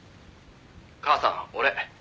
「母さん俺」